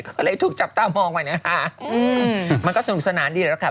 ก็เลยถูกจับตามองไปนะคะมันก็สนุกสนานดีแล้วค่ะ